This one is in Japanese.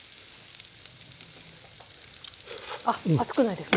あっ熱くないですか？